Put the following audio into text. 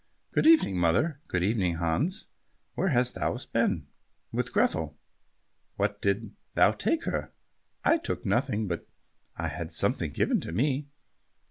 "Good evening, mother." "Good evening, Hans. Where hast thou been?" "With Grethel." "What didst thou take her?" "I took nothing, but had something given me."